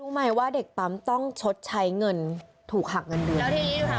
รู้ไหมว่าเด็กปั๊มต้องชดใช้เงินถูกหักเงินเดือน